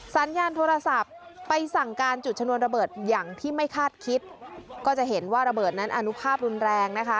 สัญญาณโทรศัพท์ไปสั่งการจุดชนวนระเบิดอย่างที่ไม่คาดคิดก็จะเห็นว่าระเบิดนั้นอนุภาพรุนแรงนะคะ